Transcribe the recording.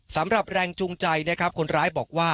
สำหรับแรงจุงใจคนร้ายบอก